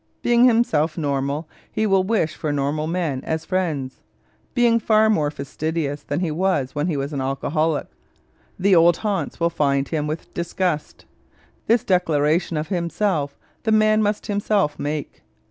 Being himself normal, he will wish for normal men as friends; being far more fastidious than he was when he was alcoholic, the old haunts will fill him with disgust. This declaration of himself the man must himself make.